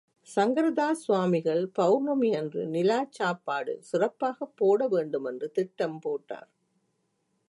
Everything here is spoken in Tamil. சங்கரதாஸ் சுவாமிகள், பெளர்ணமியன்று நிலாச் சாப்பாடு சிறப்பாகப் போடவேண்டுமென்று திட்டம் போட்டார்.